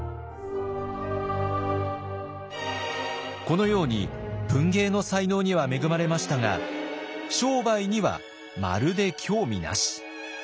このように文芸の才能には恵まれましたが商売にはまるで興味なし。